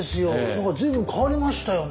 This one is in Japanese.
何か随分変わりましたよね。